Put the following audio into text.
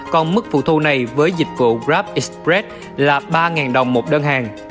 còn mức phụ thu này với dịch vụ grabexpress là ba đồng một đơn hàng